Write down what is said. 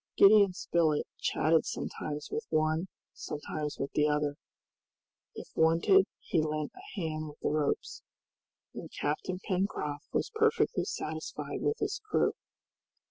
Gideon Spilett chatted sometimes with one, sometimes with the other, if wanted he lent a hand with the ropes, and Captain Pencroft was perfectly satisfied with his crew.